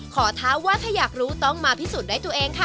ท้าว่าถ้าอยากรู้ต้องมาพิสูจน์ด้วยตัวเองค่ะ